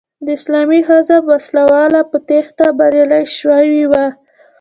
د اسلامي حزب وسله وال په تېښته بریالي شوي وو.